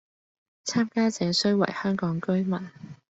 參加者須為香港居民